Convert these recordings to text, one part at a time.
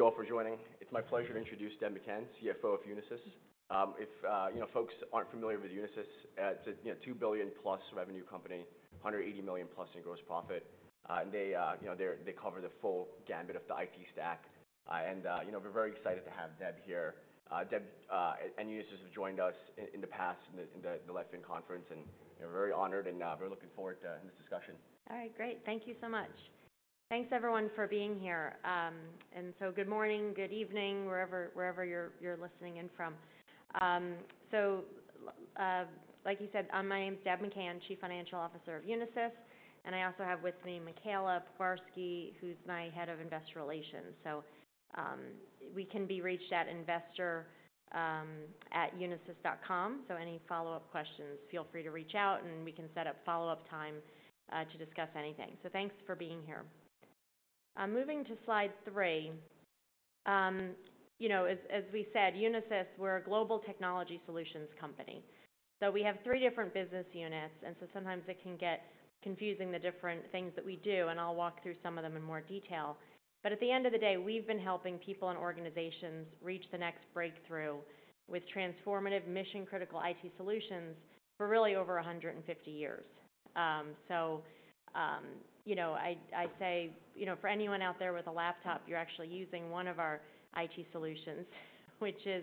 Thank you all for joining. It's my pleasure to introduce Deb McCann, CFO of Unisys. If you know, folks aren't familiar with Unisys, it's a $2 billion+ revenue company, $180 million+ in gross profit. They, you know, they cover the full gamut of the IT stack. And, you know, we're very excited to have Deb here. Deb, and Unisys have joined us in the past, in the Lytham conference, and we're very honored, and we're looking forward to this discussion. All right, great. Thank you so much. Thanks, everyone, for being here and so good morning, good evening, wherever you're listening in from. Like you said, my name is Deb McCann, Chief Financial Officer of Unisys, and I also have with me Michaela Pewarski, who's my Head of Investor Relations, so we can be reached at investor@unisys.com, so any follow-up questions, feel free to reach out, and we can set up follow-up time to discuss anything, so thanks for being here. I'm moving to slide three. You know, as we said, Unisys, we're a global technology solutions company, so we have three different business units, and so sometimes it can get confusing, the different things that we do, and I'll walk through some of them in more detail. But at the end of the day, we've been helping people and organizations reach the next breakthrough with transformative mission-critical IT solutions for really over 150 years. So, you know, I'd say, you know, for anyone out there with a laptop, you're actually using one of our IT solutions, which is,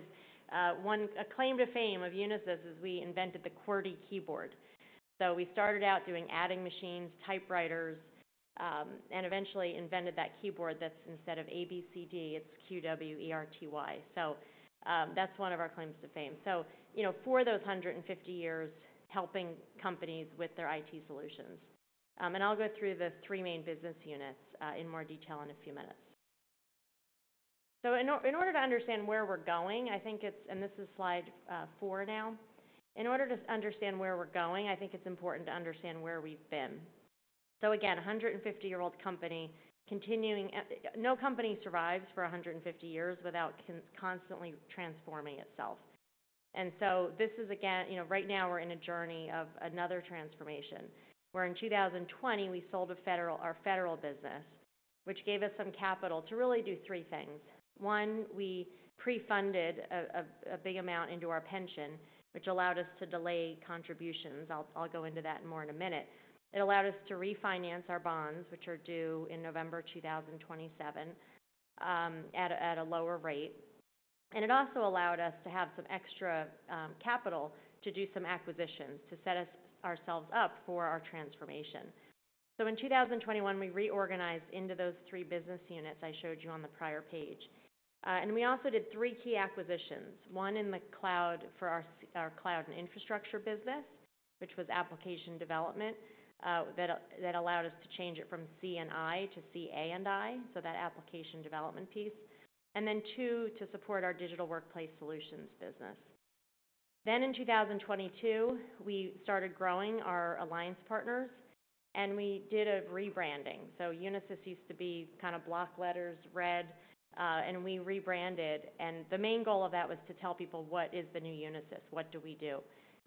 a claim to fame of Unisys is we invented the QWERTY keyboard. So we started out doing adding machines, typewriters, and eventually invented that keyboard that's instead of A, B, C, D, it's Q, W, E, R, T, Y. So, that's one of our claims to fame. So, you know, for those 150 years, helping companies with their IT solutions. And I'll go through the three main business units, in more detail in a few minutes. In order to understand where we're going, I think it's important to understand where we've been. And this is slide four now. So again, 150-year-old company. No company survives for 150 years without constantly transforming itself. And so this is, again, you know, right now, we're in a journey of another transformation, where in 2020, we sold our federal business, which gave us some capital to really do three things. One, we pre-funded a big amount into our pension, which allowed us to delay contributions. I'll go into that more in a minute. It allowed us to refinance our bonds, which are due in November 2027 at a lower rate. And it also allowed us to have some extra capital to do some acquisitions, to set ourselves up for our transformation. So in 2021, we reorganized into those three business units I showed you on the prior page. And we also did three key acquisitions, one in the cloud for our Cloud and Infrastructure business, which was application development, that allowed us to change it from C&I to CA&I, so that application development piece, and then two to support our Digital Workplace Solutions business. Then in 2022, we started growing our alliance partners, and we did a rebranding. So Unisys used to be kind of block letters, red, and we rebranded, and the main goal of that was to tell people, what is the new Unisys? What do we do?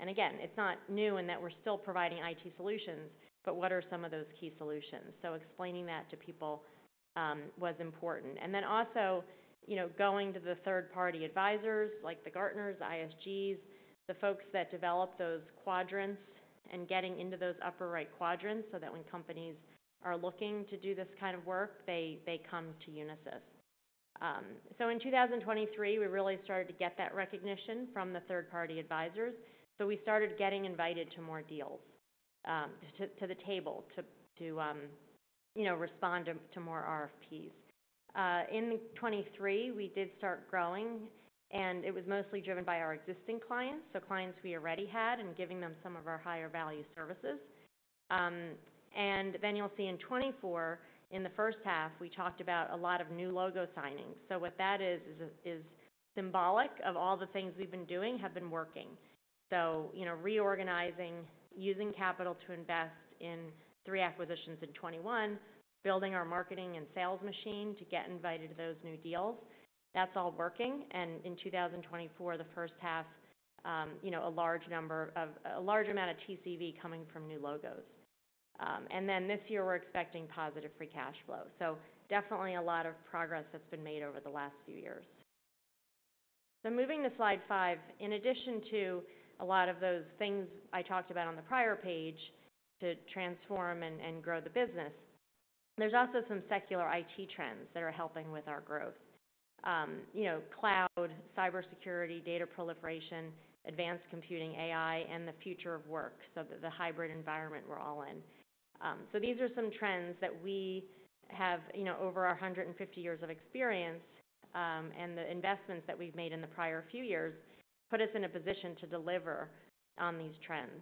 Again, it's not new in that we're still providing IT solutions, but what are some of those key solutions? Explaining that to people was important. Then also, you know, going to the third-party advisors, like the Gartners, ISGs, the folks that develop those quadrants, and getting into those upper-right quadrants, so that when companies are looking to do this kind of work, they come to Unisys. In 2023, we really started to get that recognition from the third-party advisors. We started getting invited to more deals, to the table, you know, to respond to more RFPs. In 2023, we did start growing, and it was mostly driven by our existing clients, so clients we already had, and giving them some of our higher value services. And then you'll see in 2024, in the first half, we talked about a lot of new logo signings. So what that is is symbolic of all the things we've been doing have been working. So, you know, reorganizing, using capital to invest in three acquisitions in 2021, building our marketing and sales machine to get invited to those new deals, that's all working. And in 2024, the first half, you know, a large amount of TCV coming from new logos. And then this year, we're expecting positive free cash flow. So definitely a lot of progress that's been made over the last few years. So moving to slide five, in addition to a lot of those things I talked about on the prior page to transform and grow the business, there's also some secular IT trends that are helping with our growth. You know, cloud, cybersecurity, data proliferation, advanced computing, AI, and the future of work, so the hybrid environment we're all in. So these are some trends that we have, you know, over our 150 years of experience, and the investments that we've made in the prior few years, put us in a position to deliver on these trends.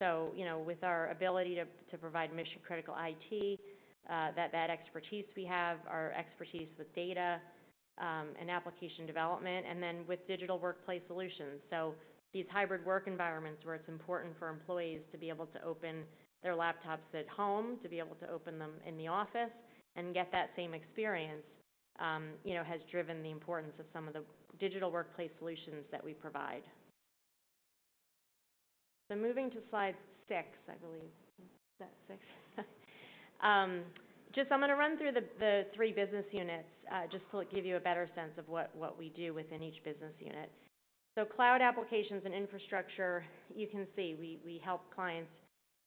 So, you know, with our ability to provide mission-critical IT, that expertise we have, our expertise with data, and application development, and then with Digital Workplace Solutions. So these hybrid work environments, where it's important for employees to be able to open their laptops at home, to be able to open them in the office and get that same experience, you know, has driven the importance of some of the Digital Workplace Solutions that we provide. Moving to slide six, I believe. Is that six? Just I'm gonna run through the three business units, just to give you a better sense of what we do within each business unit. Cloud, Applications and Infrastructure, you can see, we help clients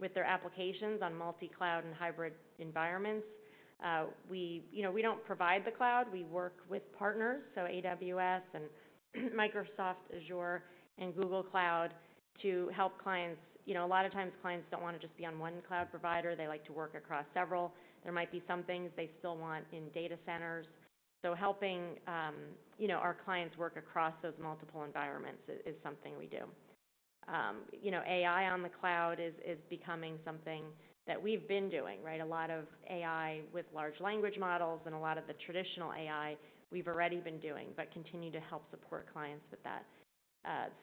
with their applications on multi-cloud and hybrid environments. We, you know, we don't provide the cloud, we work with partners, so AWS and Microsoft Azure and Google Cloud, to help clients. You know, a lot of times clients don't want to just be on one cloud provider, they like to work across several. There might be some things they still want in data centers. So helping, you know, our clients work across those multiple environments is something we do. You know, AI on the cloud is becoming something that we've been doing, right? A lot of AI with large language models and a lot of the traditional AI, we've already been doing, but continue to help support clients with that.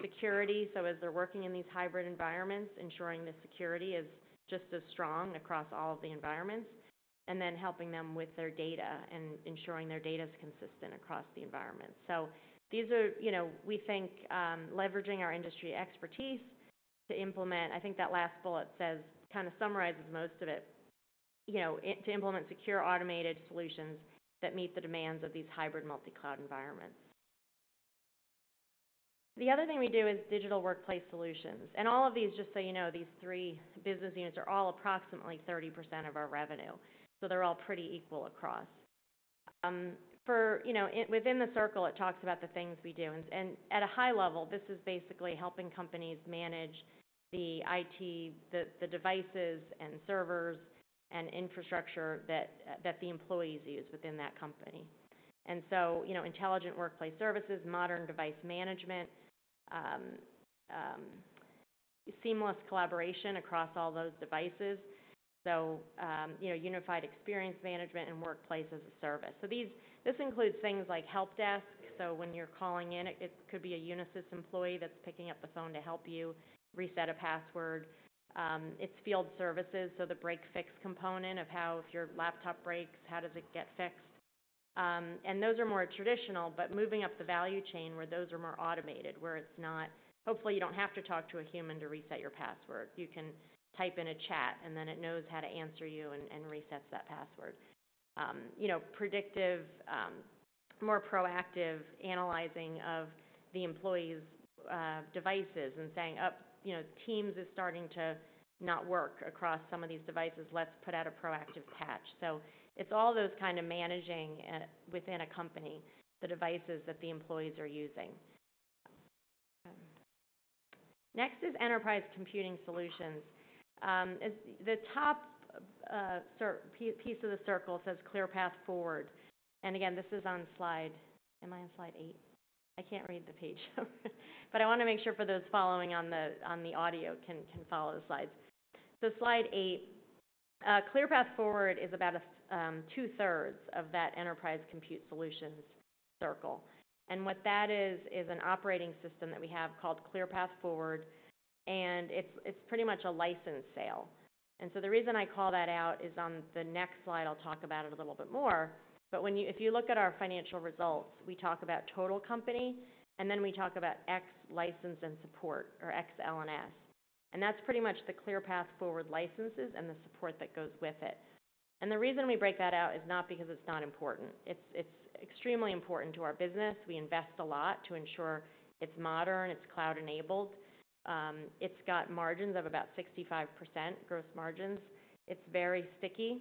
Security, so as they're working in these hybrid environments, ensuring the security is just as strong across all of the environments, and then helping them with their data and ensuring their data is consistent across the environment. So these are, you know, we think, leveraging our industry expertise to implement. I think that last bullet says, kind of summarizes most of it, you know, to implement secure, automated solutions that meet the demands of these hybrid multi-cloud environments. The other thing we do is Digital Workplace Solutions, and all of these, just so you know, these three business units are all approximately 30% of our revenue, so they're all pretty equal across. You know, within the circle, it talks about the things we do. At a high level, this is basically helping companies manage the IT, the devices and servers and infrastructure that the employees use within that company. So you know, Intelligent Workplace Services, Modern Device Management, Seamless Collaboration across all those devices. You know, Unified Experience Management and Workplace-as-a-Service. This includes things like help desk. So when you're calling in, it could be a Unisys employee that's picking up the phone to help you reset a password. It's field services, so the break-fix component of how, if your laptop breaks, how does it get fixed? And those are more traditional, but moving up the value chain, where those are more automated, where it's not. Hopefully, you don't have to talk to a human to reset your password. You can type in a chat, and then it knows how to answer you and resets that password. You know, predictive, more proactive analyzing of the employees', devices and saying, "Oh, you know, Teams is starting to not work across some of these devices. Let's put out a proactive patch." So it's all those kind of managing, within a company, the devices that the employees are using. Next is Enterprise Computing Solutions. The top pie piece of the circle says ClearPath Forward. And again, this is on slide—am I on slide eight? I can't read the page. But I want to make sure for those following on the audio can follow the slides. So slide eight, ClearPath Forward is about 2/3 of that Enterprise Computing Solutions circle. And what that is is an operating system that we have called ClearPath Forward, and it's pretty much a license sale. And so the reason I call that out is on the next slide, I'll talk about it a little bit more. But if you look at our financial results, we talk about total company, and then we talk about ex-License and Support or ex-L&S. And that's pretty much the ClearPath Forward licenses and the support that goes with it. And the reason we break that out is not because it's not important. It's, it's extremely important to our business. We invest a lot to ensure it's modern, it's cloud-enabled. It's got margins of about 65%, gross margins. It's very sticky.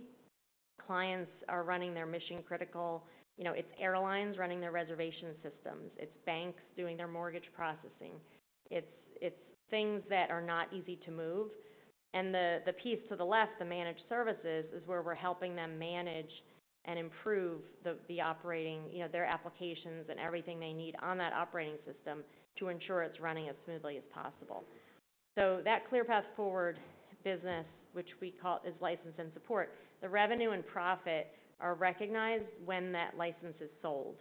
Clients are running their mission-critical. You know, it's airlines running their reservation systems, it's banks doing their mortgage processing. It's, it's things that are not easy to move. And the piece to the left, the managed services, is where we're helping them manage and improve the operating, you know, their applications and everything they need on that operating system to ensure it's running as smoothly as possible. So that ClearPath Forward business, which we call is License and Support, the revenue and profit are recognized when that license is sold.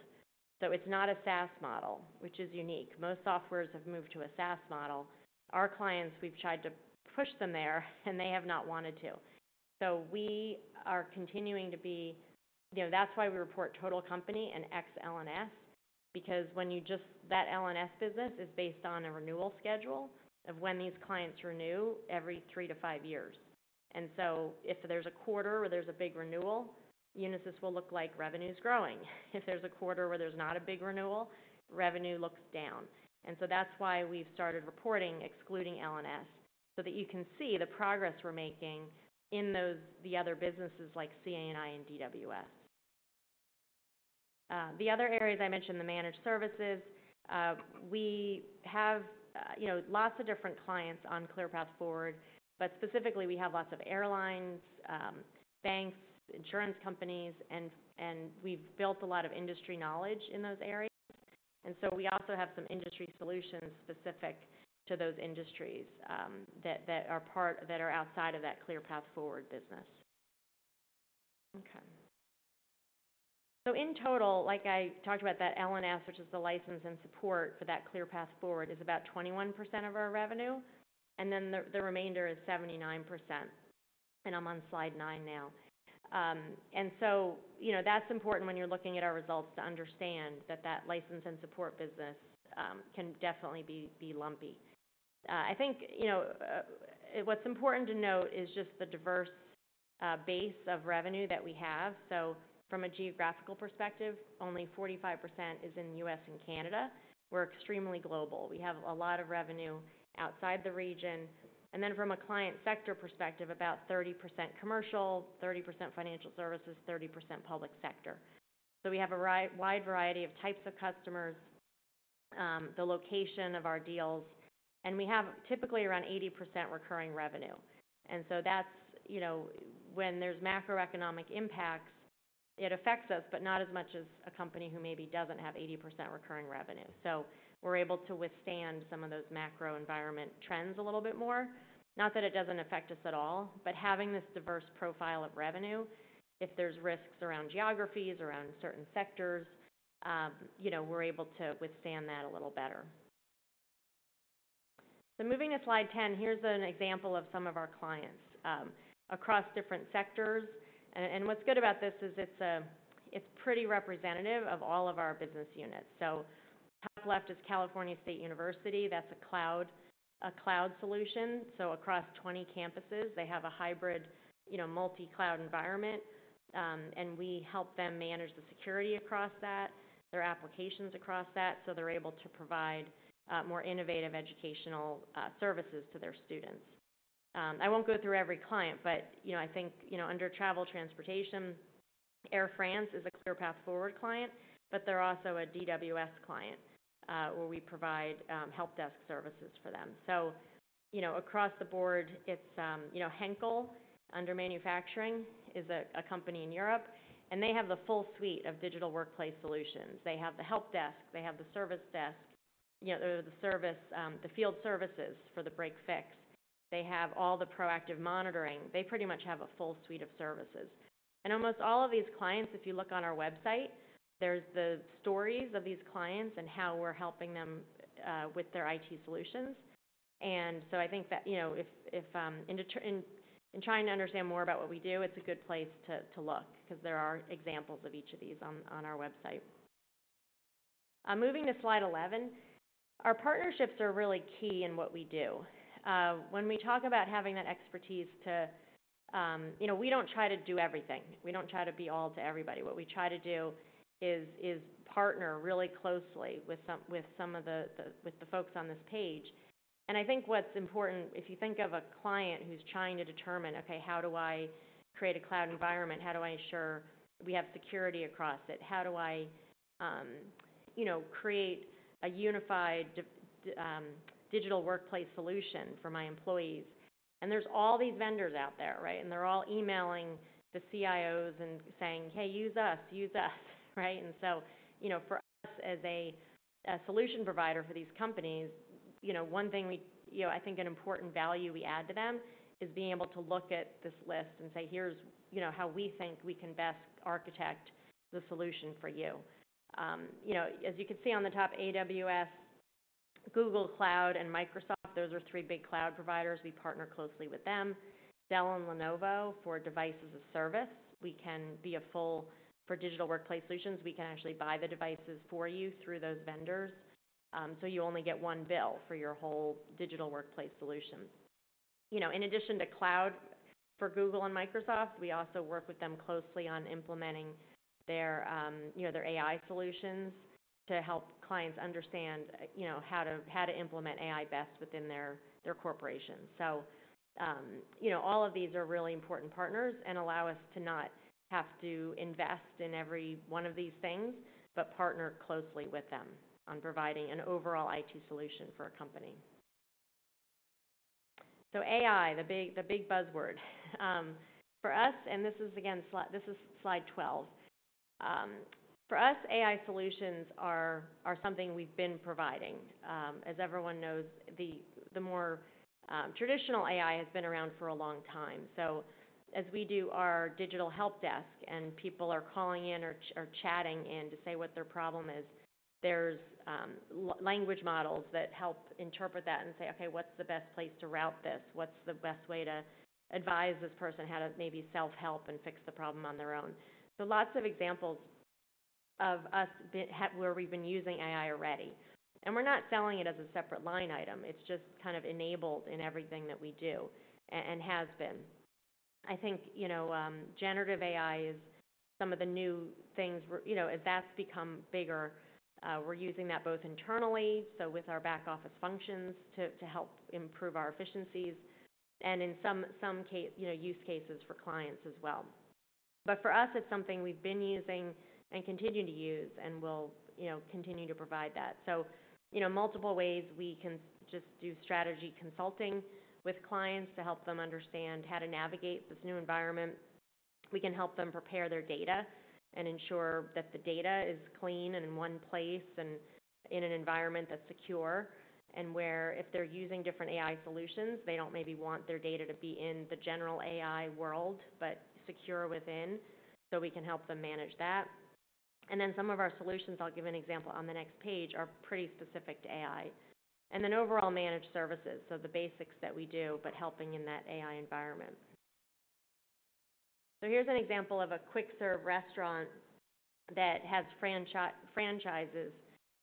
It's not a SaaS model, which is unique. Most softwares have moved to a SaaS model. Our clients, we've tried to push them there, and they have not wanted to. We are continuing to be—you know, that's why we report total company and ex-L&S, because when you just. That L&S business is based on a renewal schedule of when these clients renew every three to five years. If there's a quarter where there's a big renewal, Unisys will look like revenue's growing. If there's a quarter where there's not a big renewal, revenue looks down. That's why we've started reporting, excluding L&S, so that you can see the progress we're making in those, the other businesses like CA&I and DWS. The other areas I mentioned, the managed services. We have, you know, lots of different clients on ClearPath Forward, but specifically, we have lots of airlines, banks, insurance companies, and we've built a lot of industry knowledge in those areas, and so we also have some industry solutions specific to those industries, that are part that are outside of that ClearPath Forward business. Okay, so in total, like I talked about, that L&S, which is the License and Support for that ClearPath Forward, is about 21% of our revenue, and then the remainder is 79%, and I'm on slide 9 now, and so, you know, that's important when you're looking at our results, to understand that that License and Support business can definitely be lumpy. I think, you know, what's important to note is just the diverse base of revenue that we have. From a geographical perspective, only 45% is in the U.S. and Canada. We're extremely global. We have a lot of revenue outside the region, and then from a client sector perspective, about 30% commercial, 30% financial services, 30% public sector. We have a wide variety of types of customers, the location of our deals, and we have typically around 80% recurring revenue. And so that's, you know, when there's macroeconomic impacts, it affects us, but not as much as a company who maybe doesn't have 80% recurring revenue. We're able to withstand some of those macro environment trends a little bit more. Not that it doesn't affect us at all, but having this diverse profile of revenue, if there's risks around geographies, around certain sectors, you know, we're able to withstand that a little better. So moving to slide ten, here's an example of some of our clients across different sectors. And what's good about this is it's pretty representative of all of our business units. Top left is California State University. That's a cloud solution. Across twenty campuses, they have a hybrid, you know, multi-cloud environment, and we help them manage the security across that, their applications across that, so they're able to provide more innovative educational services to their students. I won't go through every client, but you know, I think you know, under travel transportation, Air France is a ClearPath Forward client, but they're also a DWS client, where we provide help desk services for them. So, you know, across the board, it's, you know, Henkel, under manufacturing, is a company in Europe, and they have the full suite of Digital Workplace Solutions. They have the help desk, they have the service desk, you know, the service, the field services for the break-fix. They have all the proactive monitoring. They pretty much have a full suite of services. And almost all of these clients, if you look on our website, there's the stories of these clients and how we're helping them with their IT solutions. And so I think that, you know, if in trying to understand more about what we do, it's a good place to look, 'cause there are examples of each of these on our website. Moving to slide 11. Our partnerships are really key in what we do. When we talk about having that expertise to, you know, we don't try to do everything. We don't try to be all to everybody. What we try to do is partner really closely with some of the folks on this page, and I think what's important, if you think of a client who's trying to determine, "Okay, how do I create a cloud environment? How do I ensure we have security across it? How do I, you know, create a unified digital workplace solution for my employees?", and there's all these vendors out there, right?, and they're all emailing the CIOs and saying: Hey, use us. Use us. Right? You know, for us as a solution provider for these companies, you know, one thing we, you know, I think an important value we add to them is being able to look at this list and say: Here's, you know, how we think we can best architect the solution for you. You know, as you can see on the top, AWS, Google Cloud, and Microsoft, those are three big cloud providers. We partner closely with them. Dell and Lenovo, for Device-as-a-Service. For Digital Workplace Solutions, we can actually buy the devices for you through those vendors, so you only get one bill for your whole digital workplace solution. You know, in addition to cloud for Google and Microsoft, we also work with them closely on implementing their, you know, their AI solutions to help clients understand, you know, how to implement AI best within their corporations. So, you know, all of these are really important partners and allow us to not have to invest in every one of these things, but partner closely with them on providing an overall IT solution for a company. So, AI, the big, the big buzzword. For us, and this is again, this is slide 12. For us, AI solutions are something we've been providing. As everyone knows, the more traditional AI has been around for a long time. So as we do our digital help desk, and people are calling in or chatting in to say what their problem is, there's language models that help interpret that and say, "Okay, what's the best place to route this? What's the best way to advise this person how to maybe self-help and fix the problem on their own?" So lots of examples of us have, where we've been using AI already, and we're not selling it as a separate line item. It's just kind of enabled in everything that we do, and has been. I think, you know, generative AI is some of the new things where— You know, as that's become bigger, we're using that both internally, so with our back office functions, to help improve our efficiencies, and in some case, you know, use cases for clients as well. But for us, it's something we've been using and continue to use and will, you know, continue to provide that. So, you know, multiple ways we can just do strategy consulting with clients to help them understand how to navigate this new environment. We can help them prepare their data and ensure that the data is clean and in one place and in an environment that's secure, and where if they're using different AI solutions, they don't maybe want their data to be in the general AI world, but secure within, so we can help them manage that. And then some of our solutions, I'll give an example on the next page, are pretty specific to AI. And then overall managed services, so the basics that we do, but helping in that AI environment. So here's an example of a quick serve restaurant that has franchises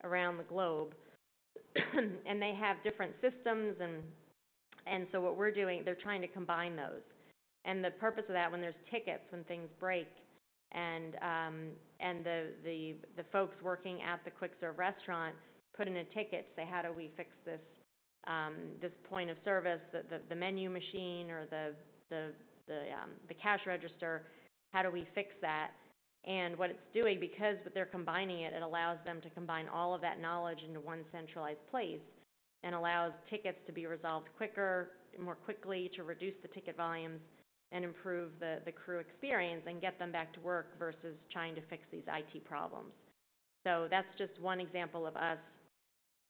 around the globe, and they have different systems and, and so what we're doing, they're trying to combine those. The purpose of that, when there's tickets, when things break and the folks working at the quick serve restaurant put in a ticket to say, how do we fix this point of service, the menu machine or the cash register? How do we fix that? What it's doing, because they're combining it, it allows them to combine all of that knowledge into one centralized place and allows tickets to be resolved quicker, more quickly, to reduce the ticket volumes and improve the crew experience and get them back to work versus trying to fix these IT problems. That's just one example of us,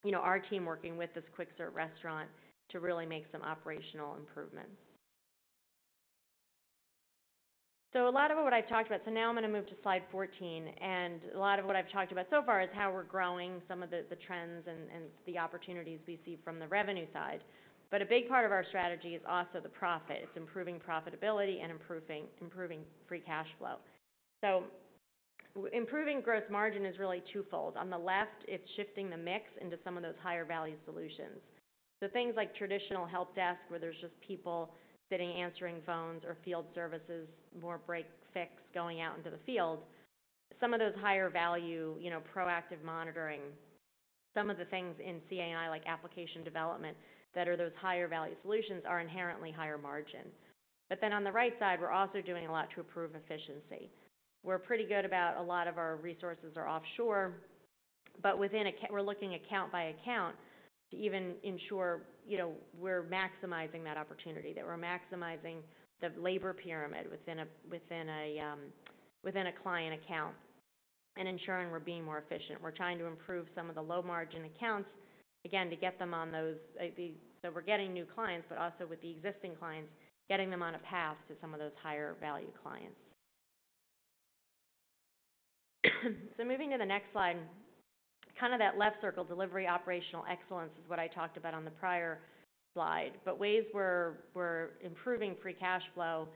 you know, our team working with this quick serve restaurant to really make some operational improvements. So now I'm going to move to slide 14, and a lot of what I've talked about so far is how we're growing some of the trends and the opportunities we see from the revenue side. But a big part of our strategy is also the profit. It's improving profitability and improving free cash flow. So improving gross margin is really twofold. On the left, it's shifting the mix into some of those higher-value solutions. So things like traditional help desk, where there's just people sitting, answering phones or field services, more break-fix, going out into the field. Some of those higher value, you know, proactive monitoring. Some of the things in CA&I, like application development, that are those higher value solutions are inherently higher margin. But then on the right side, we're also doing a lot to improve efficiency. We're pretty good about a lot of our resources are offshore, but within account. We're looking account by account to even ensure, you know, we're maximizing that opportunity, that we're maximizing the labor pyramid within a client account and ensuring we're being more efficient. We're trying to improve some of the low-margin accounts, again, to get them on those. So we're getting new clients, but also with the existing clients, getting them on a path to some of those higher value clients. So moving to the next slide, kind of that left circle, delivery operational excellence, is what I talked about on the prior slide. But ways we're improving free cash flow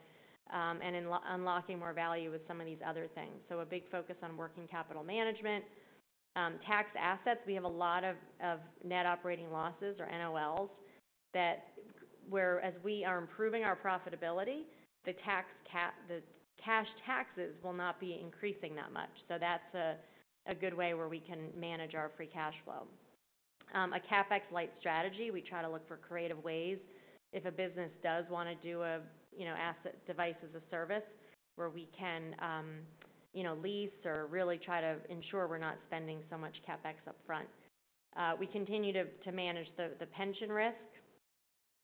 and unlocking more value with some of these other things. So a big focus on working capital management, tax assets. We have a lot of net operating losses or NOLs that, whereas we are improving our profitability, the cash taxes will not be increasing that much. So that's a good way where we can manage our free cash flow. A CapEx-light strategy, we try to look for creative ways. If a business does want to do a, you know, Device-as-a-Service where we can, you know, lease or really try to ensure we're not spending so much CapEx upfront. We continue to manage the pension risk,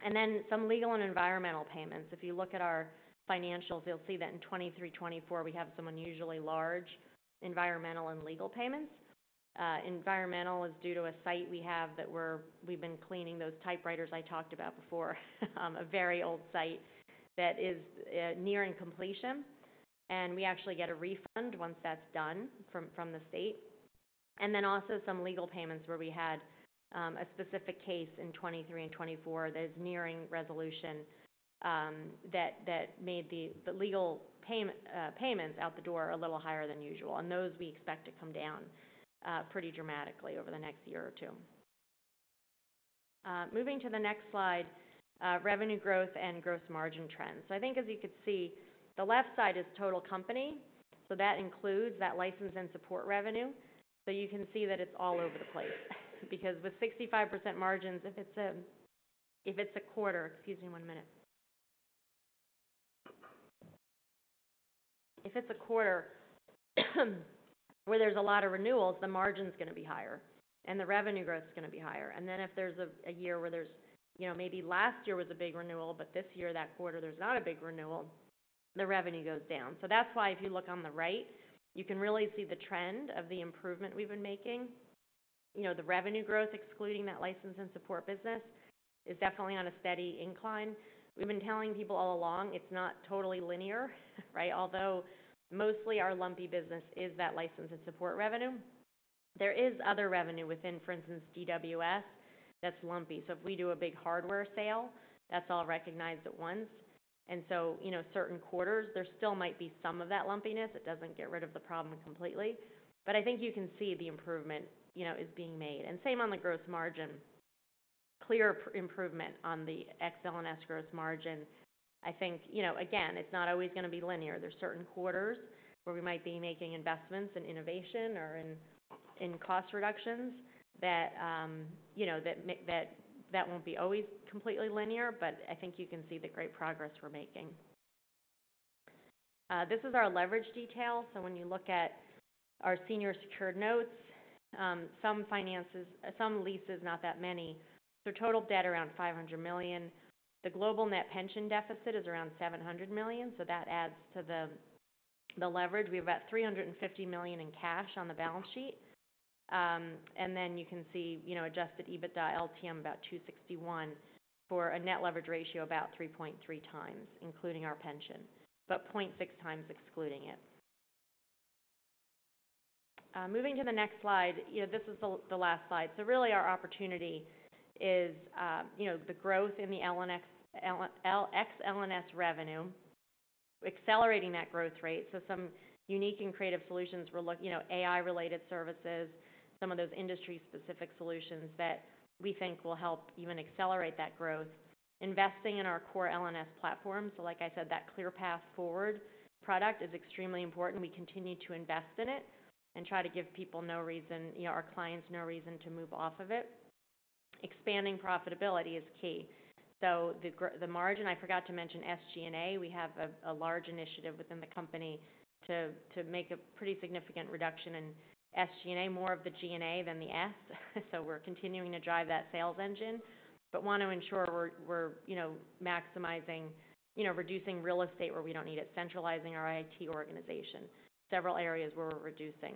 and then some legal and environmental payments. If you look at our financials, you'll see that in 2023, 2024, we have some unusually large environmental and legal payments. Environmental is due to a site we have that we've been cleaning those typewriters I talked about before, a very old site that is nearing completion, and we actually get a refund once that's done from the state. Then also some legal payments where we had a specific case in 2023 and 2024, that is nearing resolution, that made the legal payments out the door a little higher than usual, and those we expect to come down pretty dramatically over the next year or two. Moving to the next slide, revenue growth and gross margin trends. I think as you could see, the left side is total company, so that includes that License and Support revenue. So you can see that it's all over the place, because with 65% margins, if it's a quarter—excuse me one minute. If it's a quarter, where there's a lot of renewals, the margin's gonna be higher and the revenue growth is gonna be higher. And then if there's a year where there's, you know, maybe last year was a big renewal, but this year, that quarter, there's not a big renewal, the revenue goes down. So that's why if you look on the right, you can really see the trend of the improvement we've been making. You know, the revenue growth, excluding that License and Support business, is definitely on a steady incline. We've been telling people all along, it's not totally linear, right? Although mostly our lumpy business is that License and Support revenue. There is other revenue within, for instance, DWS, that's lumpy. So if we do a big hardware sale, that's all recognized at once. And so you know, certain quarters, there still might be some of that lumpiness. It doesn't get rid of the problem completely, but I think you can see the improvement, you know, is being made. And same on the gross margin. Clear improvement on the ex-L&S gross margin. I think, you know, again, it's not always gonna be linear. There's certain quarters where we might be making investments in innovation or in cost reductions that you know that won't be always completely linear, but I think you can see the great progress we're making. This is our leverage detail. So when you look at our senior secured notes, some financing, some leases, not that many. Total debt around $500 million. The global net pension deficit is around $700 million, so that adds to the leverage. We have about $350 million in cash on the balance sheet, and then you can see, you know, adjusted EBITDA LTM about 261, for a net leverage ratio about 3.3x, including our pension, but 0.6x excluding it. Moving to the next slide. You know, this is the last slide. Really, our opportunity is, you know, the growth in the ex-L&S revenue, accelerating that growth rate. Some unique and creative solutions we're, you know, AI-related services, some of those industry-specific solutions that we think will help even accelerate that growth. Investing in our core L&S platform, so like I said, that ClearPath Forward product is extremely important. We continue to invest in it and try to give people no reason, you know, our clients, no reason to move off of it. Expanding profitability is key, so the margin, I forgot to mention SG&A. We have a large initiative within the company to make a pretty significant reduction in SG&A, more of the G&A than the S, so we're continuing to drive that sales engine, but want to ensure we're, you know, maximizing. You know, reducing real estate where we don't need it, centralizing our IT organization, several areas where we're reducing.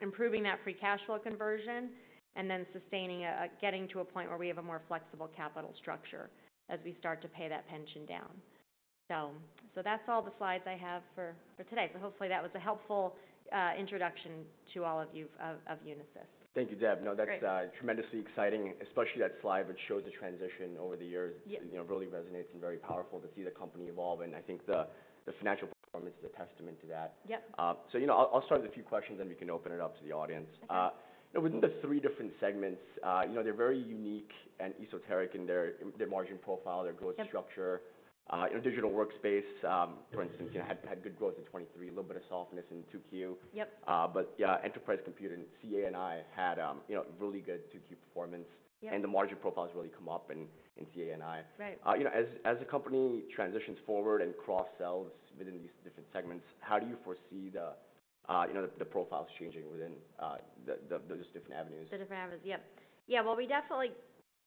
Improving that free cash flow conversion, and then sustaining, getting to a point where we have a more flexible capital structure as we start to pay that pension down, so that's all the slides I have for today. So hopefully, that was a helpful introduction to all of you of Unisys. Thank you, Deb. Great. No, that's tremendously exciting, especially that slide, which shows the transition over the years. Yep. You know, really resonates and very powerful to see the company evolve, and I think the financial performance is a testament to that. Yep. So, you know, I'll start with a few questions, then we can open it up to the audience. Within the three different segments, you know, they're very unique and esoteric in their margin profile— Yep —their growth structure. In a digital workspace, for instance, you know, had good growth in 2023, a little bit of softness in 2Q. Yep. But yeah, enterprise computing, CA&I had you know really good 2Q performance. Yeah. The margin profiles really come up in CA&I. Right. You know, as the company transitions forward and cross-sells within these different segments, how do you foresee the, you know, the profiles changing within those different avenues? The different avenues? Yep. Yeah, well, we definitely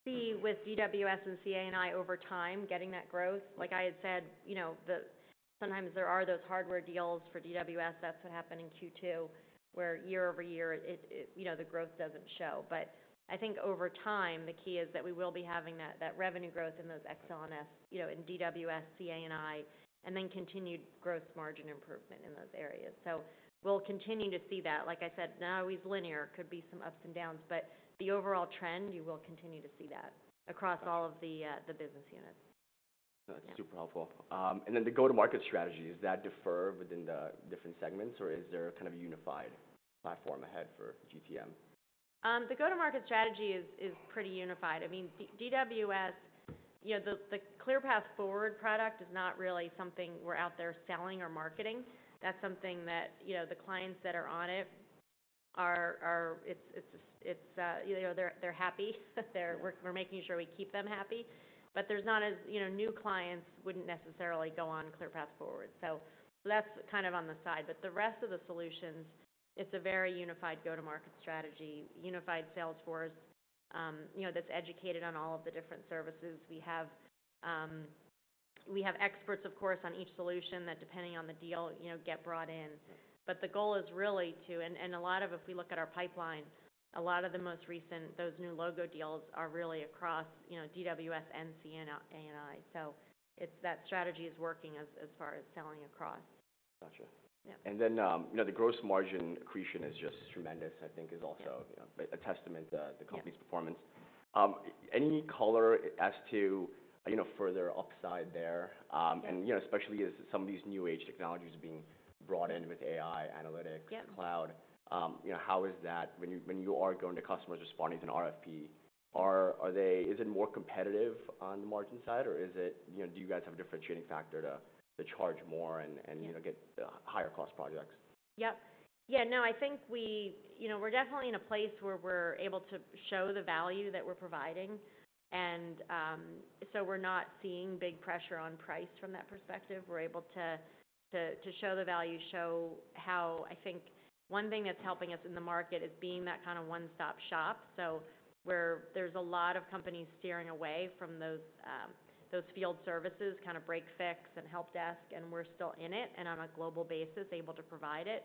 see with DWS and CA&I over time, getting that growth. Like I had said, you know, the—sometimes there are those hardware deals for DWS. That's what happened in Q2, where year over year, it—you know, the growth doesn't show. But I think over time, the key is that we will be having that revenue growth in those ex-L&S, you know, in DWS, CA&I, and then continued gross margin improvement in those areas. So we'll continue to see that. Like I said, not always linear, could be some ups and downs, but the overall trend, you will continue to see that. Got it. -across all of the business units. That's super helpful, and then the go-to-market strategy, does that differ within the different segments or is there a kind of a unified platform ahead for GTM? The go-to-market strategy is pretty unified. I mean, DWS, you know, the ClearPath Forward product is not really something we're out there selling or marketing. That's something that, you know, the clients that are on it are—it's, you know, they're happy. We're making sure we keep them happy. But there's not as, you know, new clients wouldn't necessarily go on ClearPath Forward. So that's kind of on the side, but the rest of the solutions, it's a very unified go-to-market strategy, unified sales force, you know, that's educated on all of the different services. We have experts, of course, on each solution that depending on the deal, you know, get brought in. But the goal is really to— If we look at our pipeline, a lot of the most recent, those new logo deals are really across, you know, DWS and C&I. It's that strategy is working as far as selling across. Gotcha. Yeah. And then, you know, the gross margin accretion is just tremendous, I think, is also— Yeah —you know, a testament to— Yeah —the company's performance. Any color as to, you know, further upside there? Yeah. And, you know, especially as some of these new age technologies are being brought in with AI, analytics— Yeah —cloud. You know, how is that when you are going to customers responding to an RFP, are they—is it more competitive on the margin side, or is it, you know, do you guys have a differentiating factor to charge more and, and— Yeah —you know, get higher-cost projects? Yep. Yeah, no, I think we—you know, we're definitely in a place where we're able to show the value that we're providing, and so we're not seeing big pressure on price from that perspective. We're able to show the value, show how—I think one thing that's helping us in the market is being that kind of one-stop shop. So where there's a lot of companies steering away from those field services, kind of break-fix, and help desk, and we're still in it, and on a global basis, able to provide it.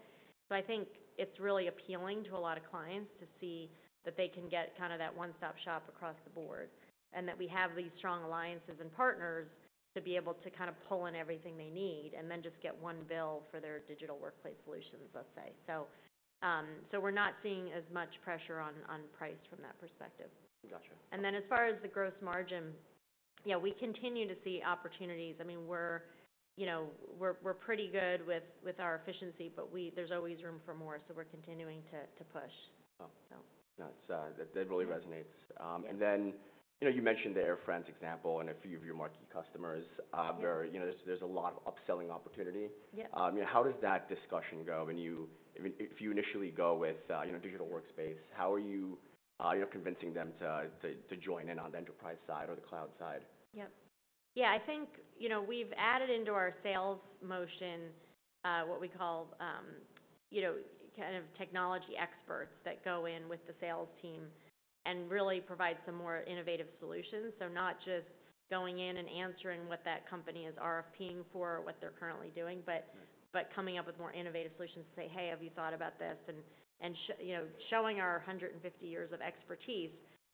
I think it's really appealing to a lot of clients to see that they can get kind of that one-stop shop across the board, and that we have these strong alliances and partners to be able to kind of pull in everything they need, and then just get one bill for their Digital Workplace Solutions, let's say. We're not seeing as much pressure on price from that perspective. Gotcha. And then as far as the gross margin, yeah, we continue to see opportunities. I mean, we're, you know, pretty good with our efficiency, but there's always room for more, so we're continuing to push. Oh. So. No, that really resonates. Yeah. And then, you know, you mentioned the Air France example and a few of your marquee customers. Yeah. Very, you know, there's a lot of upselling opportunity. Yeah. How does that discussion go when you—I mean, if you initially go with, you know, digital workspace, how are you, you know, convincing them to join in on the enterprise side or the cloud side? Yep. Yeah, I think, you know, we've added into our sales motion, what we call, you know, kind of technology experts that go in with the sales team and really provide some more innovative solutions. So not just going in and answering what that company is RFPing for, what they're currently doing, but— Right. But coming up with more innovative solutions to say, "Hey, have you thought about this?" And you know, showing our 150 years of expertise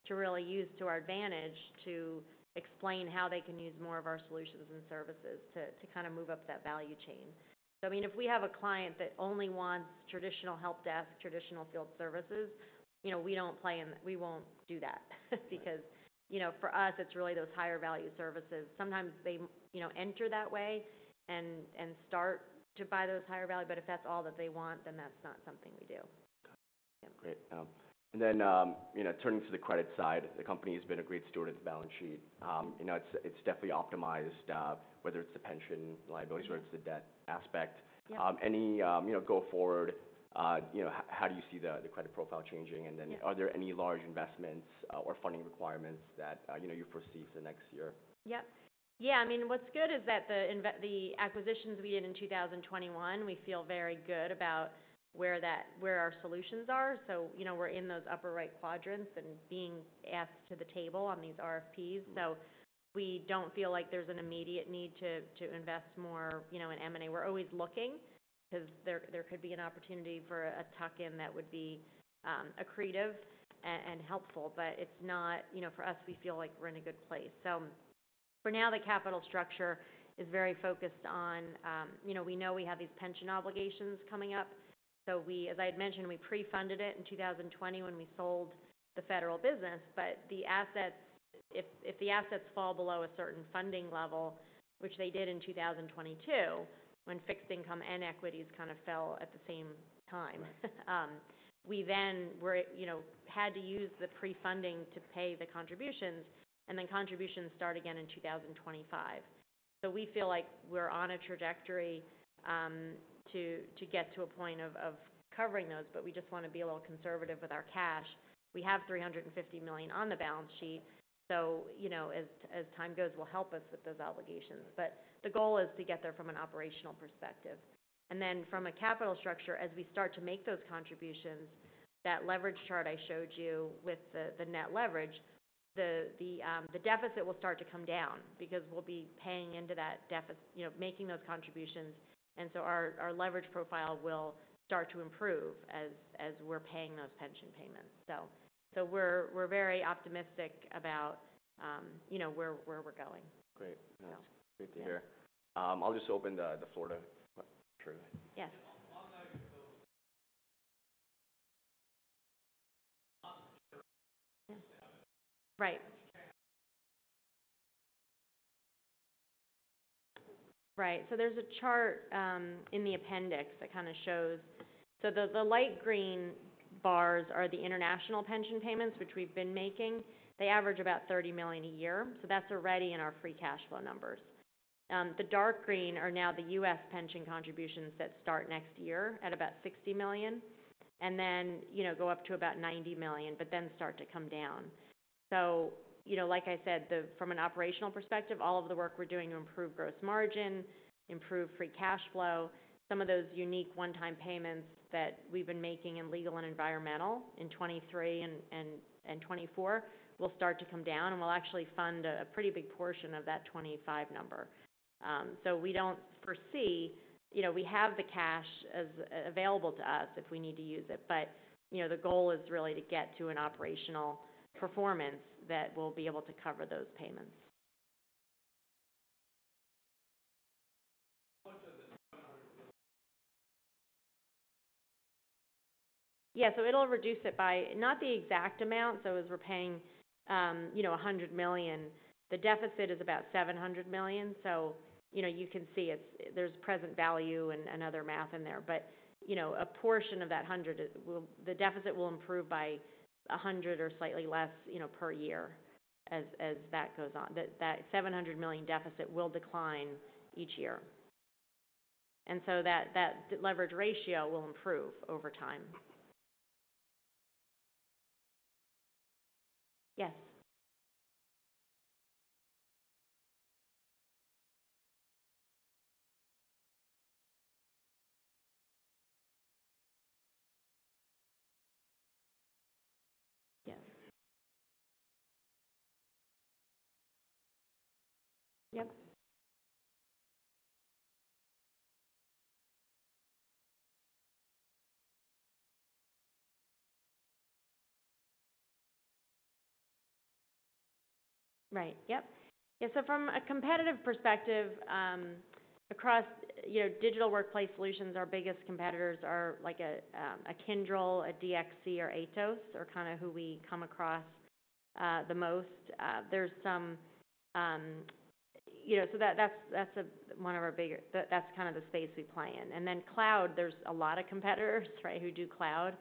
to really use to our advantage to explain how they can use more of our solutions and services to kind of move up that value chain. So I mean, if we have a client that only wants traditional help desk, traditional field services, you know, we don't play in. We won't do that. Right. Because, you know, for us, it's really those higher value services. Sometimes they, you know, enter that way and start to buy those higher value, but if that's all that they want, then that's not something we do. Got it. Yeah. Great. And then, you know, turning to the credit side, the company has been a great steward of the balance sheet. You know, it's definitely optimized, whether it's the pension liabilities or it's the debt aspect. Yeah. You know, go-forward, you know, how do you see the credit profile changing? Yeah. And then, are there any large investments, or funding requirements that, you know, you foresee for the next year? Yep. Yeah, I mean, what's good is that the acquisitions we did in 2021, we feel very good about where our solutions are. So, you know, we're in those upper right quadrants and being asked to the table on these RFPs. So we don't feel like there's an immediate need to invest more, you know, in M&A. We're always looking, because there could be an opportunity for a tuck-in that would be accretive and helpful, but it's not. You know, for us, we feel like we're in a good place. So for now, the capital structure is very focused on. You know, we know we have these pension obligations coming up, so we, as I had mentioned, we pre-funded it in 2020 when we sold the federal business. But the assets, if the assets fall below a certain funding level, which they did in 2022, when fixed income and equities kind of fell at the same time, we then were, you know, had to use the pre-funding to pay the contributions, and then contributions start again in 2025. So we feel like we're on a trajectory to get to a point of covering those, but we just want to be a little conservative with our cash. We have $350 million on the balance sheet, so, you know, as time goes, will help us with those obligations. But the goal is to get there from an operational perspective. And then from a capital structure, as we start to make those contributions, that leverage chart I showed you with the net leverage, the deficit will start to come down because we'll be paying into that deficit, you know, making those contributions. And so our leverage profile will start to improve as we're paying those pension payments. So we're very optimistic about, you know, where we're going. Great. Yeah. Great to hear. I'll just open the floor to questions. Yes. Right. Right. So there's a chart in the appendix that kind of shows. So the light green bars are the international pension payments, which we've been making. They average about $30 million a year, so that's already in our free cash flow numbers. The dark green are now the U.S. pension contributions that start next year at about $60 million, and then, you know, go up to about $90 million, but then start to come down. So you know, like I said, the, from an operational perspective, all of the work we're doing to improve gross margin, improve free cash flow, some of those unique one-time payments that we've been making in legal and environmental in 2023 and 2024 will start to come down, and we'll actually fund a pretty big portion of that 2025 number. So we don't foresee— You know, we have the cash as available to us if we need to use it, but, you know, the goal is really to get to an operational performance that will be able to cover those payments. Yeah, so it'll reduce it by, not the exact amount, so as we're paying, you know, $100 million, the deficit is about $700 million. So, you know, you can see it's there's present value and other math in there. But, you know, a portion of that $100 million will the deficit will improve by a $100 million or slightly less, you know, per year as that goes on. That $700 million deficit will decline each year. And so that leverage ratio will improve over time. Yeah, so from a competitive perspective, across, you know, Digital Workplace Solutions, our biggest competitors are like a Kyndryl, a DXC, or Atos are kind of who we come across, the most. You know, so that's one of our bigger—that's kind of the space we play in. And then cloud, there's a lot of competitors, right, who do cloud.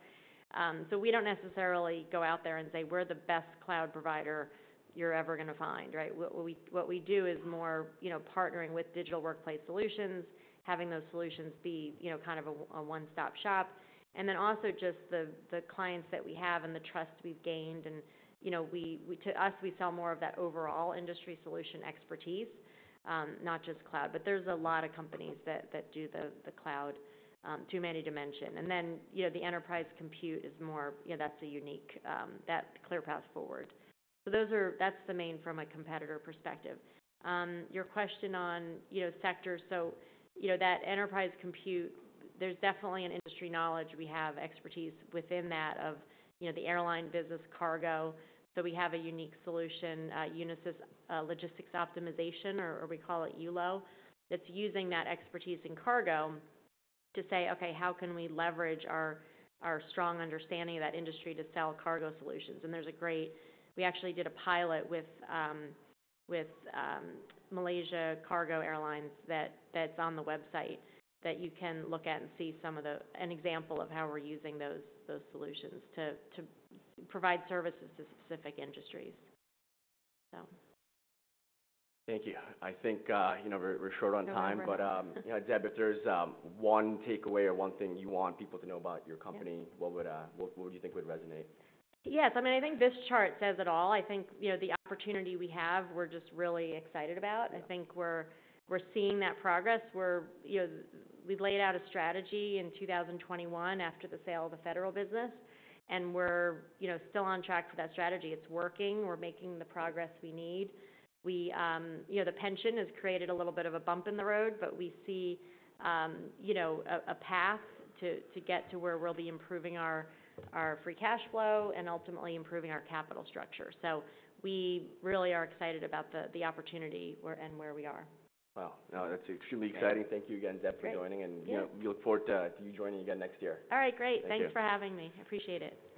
So we don't necessarily go out there and say, "We're the best cloud provider you're ever gonna find," right? What we do is more, you know, partnering with Digital Workplace Solutions, having those solutions be, you know, kind of a one-stop shop, and then also just the clients that we have and the trust we've gained, and, you know, To us, we sell more of that overall industry solution expertise, not just cloud. But there's a lot of companies that do the cloud, too many dimensions. And then, you know, the enterprise computing is more, you know, that's a unique, that ClearPath Forward. So those are that's the main from a competitor perspective. Your question on, you know, sectors. So, you know, that enterprise computing, there's definitely an industry knowledge. We have expertise within that of, you know, the airline business cargo. We have a unique solution, Unisys Logistics Optimization, or we call it ULO, that's using that expertise in cargo to say, "Okay, how can we leverage our strong understanding of that industry to sell cargo solutions?" We actually did a pilot with Malaysia Cargo Airlines. That's on the website that you can look at and see some of the—an example of how we're using those solutions to provide services to specific industries. Thank you. I think, you know, we're short on time. We're over. But, you know, Deb, if there's one takeaway or one thing you want people to know about your company— Yeah What would you think would resonate? Yes, I mean, I think this chart says it all. I think, you know, the opportunity we have, we're just really excited about. Yeah. I think we're seeing that progress. We're, you know, we've laid out a strategy in 2021 after the sale of the federal business, and we're, you know, still on track for that strategy. It's working. We're making the progress we need. We, you know, the pension has created a little bit of a bump in the road, but we see, you know, a path to get to where we'll be improving our free cash flow and ultimately improving our capital structure. So we really are excited about the opportunity where we are. Wow! No, that's extremely exciting. Yeah. Thank you again, Deb, for joining. Great. Yeah. You know, we look forward to you joining again next year. All right, great. Thank you. Thanks for having me. I appreciate it.